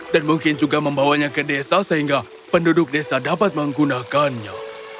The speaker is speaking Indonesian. dan mungkin juga membawanya ke desa sehingga penduduk desa dapat menggunakannya